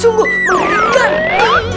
sungguh belut kan